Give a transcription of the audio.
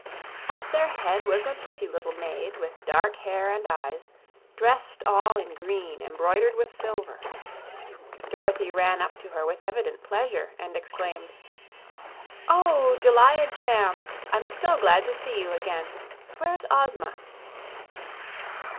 At their head was a pretty little maid with dark hair and eyes, dressed all in green embroidered with silver. Dorothy ran up to her with evident pleasure, and exclaimed: "O, Jellia Jamb! I'm so glad to see you again. Where's Ozma?"